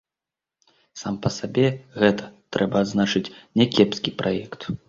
Сам па сабе гэта, трэба адзначыць, някепскі праект.